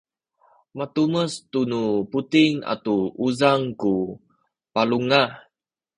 matumes tu nu buting atu uzang ku balunga